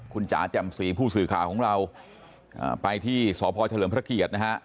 คุณจ๋าแจ่มสีผู้สื่อข่าวของเราไปที่สพเฉลิมพระเกียรตินะฮะ